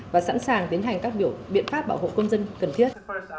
và sẵn sàng tiến hành các biện pháp bảo hộ công dân cần thiết